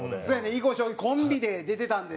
囲碁将棋コンビで出てたんでね。